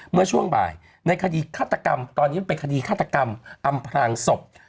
เมื่อช่วงบ่ายในคดีฆาตกรรมตอนนี้มันเป็นคดีฆาตกรรมอำพลางศพ